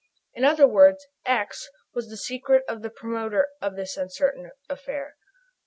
In other words, "x" was the secret of the promoter of this uncertain affair.